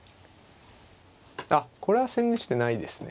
あっこれは千日手ないですね。